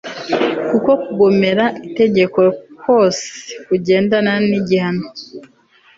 kuko kugomera itegeko kose kugendana nigihano